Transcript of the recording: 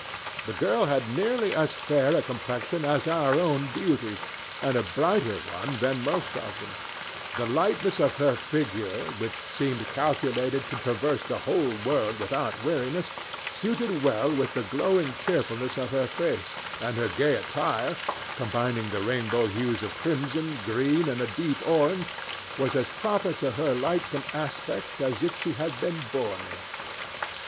The girl had nearly as fair a complexion as our own beauties, and a brighter one than most of them; the lightness of her figure, which seemed calculated to traverse the whole world without weariness, suited well with the glowing cheerfulness of her face, and her gay attire, combining the rainbow hues of crimson, green and a deep orange, was as proper to her lightsome aspect as if she had been born in it.